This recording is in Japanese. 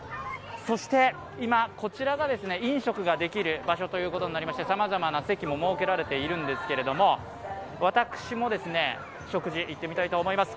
そして今、こちらが飲食ができる場所となりましてさまざまな席も設けられているんですけれども私も食事、行ってみたいと思います。